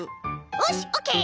よしオッケー！